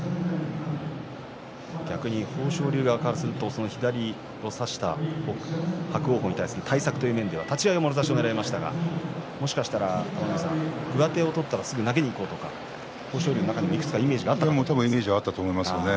逆に豊昇龍側からすると左を差した伯桜鵬に対する対策としては、立ち合いもろ差しをねらいましたがもしかしたら上手を取ったらすぐに投げにいこうとかが豊昇龍にいくつかイメージがあったかもしれないですね。